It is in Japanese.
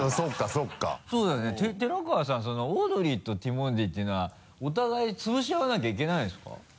寺川さんオードリーとティモンディっていうのはお互いつぶしあわなきゃいけないんですか？